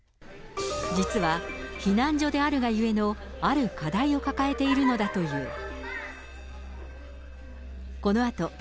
実は、避難所であるがゆえのある課題を抱えているのだという。